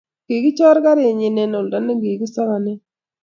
kikichor karinyin eng' oldo ne kisokonen